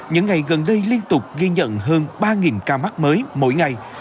những ngày gần đây liên tục ghi nhận hơn ba ca mắc mới mỗi ngày